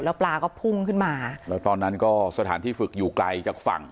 แล้วปลาก็พุ่งขึ้นมาแล้วตอนนั้นก็สถานที่ฝึกอยู่ไกลจากฝั่ง